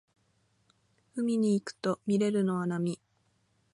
海に行くとみれるのは波